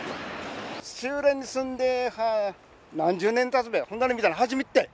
土浦に住んで何十年たつべ、こんなの見たの、初めてたい。